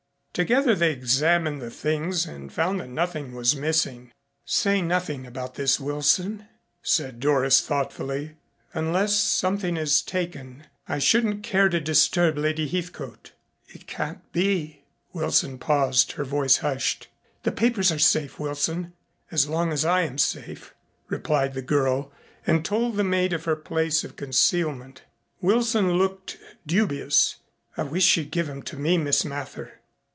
Together they examined the things and found that nothing was missing. "Say nothing about this, Wilson," said Doris thoughtfully. "Unless something is taken, I shouldn't care to disturb Lady Heathcote." "It can't be " Wilson paused, her voice hushed. "The papers are safe, Wilson as long as I am safe," replied the girl, and told the maid of her place of concealment. Wilson looked dubious. "I wish you'd give them to me, Miss Mather."